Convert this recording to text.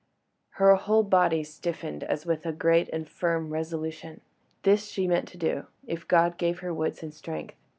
Her whole body stiffened as with a great and firm resolution. This she meant to do, if God gave her wits and strength.